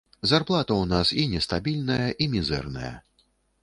Зарплата ў нас і нестабільная, і мізэрная.